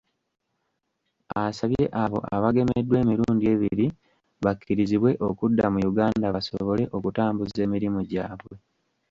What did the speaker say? Asabye abo abagemeddwa emirundi ebiri bakkirizibwe okudda mu Uganda basobole okutambuza emirimu gyabwe.